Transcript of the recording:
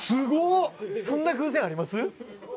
そんな偶然あります？